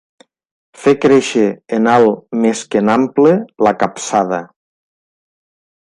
Fer créixer en alt més que en ample la capçada.